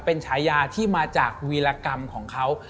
เป็นฉายาที่มาจากวีรกรรมของเขา